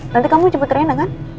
nanti kamu jemput rena kan